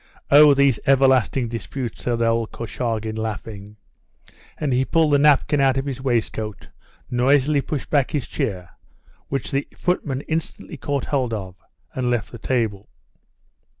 "Oh, these everlasting disputes!" said old Korchagin, laughing, and he pulled the napkin out of his waistcoat, noisily pushed back his chair, which the footman instantly caught hold of, and left the table.